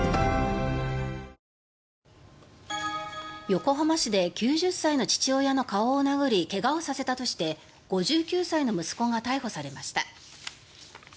横浜市で９０歳の父親の顔を殴り怪我をさせたとして５９歳の息子が逮捕されました。